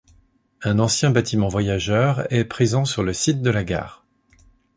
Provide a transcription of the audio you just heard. Un ancien bâtiment voyageurs est présent sur le site de la gare.